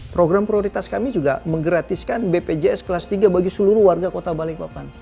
program prioritas kami juga menggratiskan bpjs kelas tiga bagi seluruh warga kota balikpapan